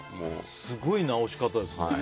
すごい治し方ですね。